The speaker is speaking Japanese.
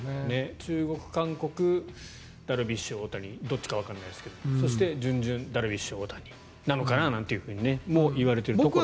中国、韓国ダルビッシュ、大谷どっちかわからないですがそして、準々決勝はダルビッシュ大谷なのかなといわれていますが。